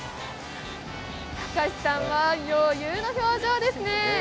孝さんは余裕の表情ですね。